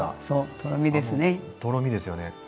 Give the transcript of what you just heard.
そうとろみですね。